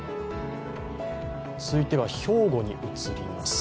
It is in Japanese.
続いては兵庫に移ります。